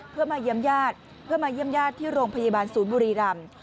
เพื่อมาเยี่ยมญาติที่โรงพยาบาลศูนย์บุรีรำ